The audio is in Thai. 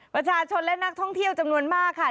ประชาชนและนักท่องเที่ยวจำนวนมากค่ะ